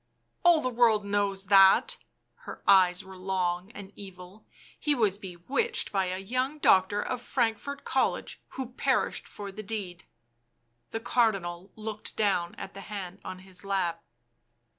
" All the world knows that "— her eyes were long and evil ;" he was bewitched by a young doctor of Frank fort College who perished for the deed." The Cardinal looked down at the hand on his lap.